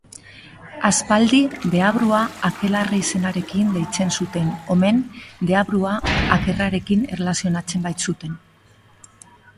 Aspaldi deabrua akelarre izenarekin deitzen zuten omen, deabrua akerrarekin erlazionatzen baitzuten.